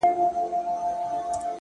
زه د یویشتم قرن ښکلا ته مخامخ یم”